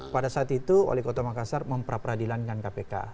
pada saat itu wali kota makassar mempra peradilankan kpk